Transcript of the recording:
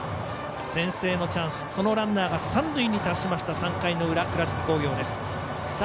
先制のチャンスでそのランナーが三塁に達しました３回の裏、倉敷工業です。